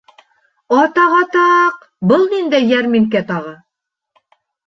— Атаҡ-атаҡ, был ниндәй йәрминкә тағы?